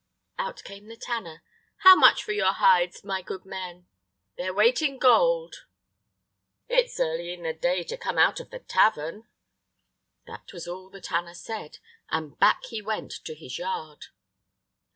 Out came the tanner: "How much for your hides, my good men?" "Their weight in gold." "It's early in the day to come out of the tavern." That was all the tanner said, and back he went to his yard.